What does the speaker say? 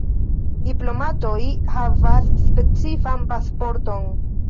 Diplomatoj havas specifan pasporton.